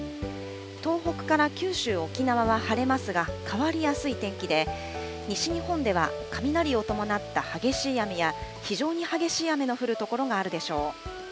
東北から九州、沖縄は晴れますが、変わりやすい天気で、西日本では雷を伴った激しい雨や非常に激しい雨の降る所があるでしょう。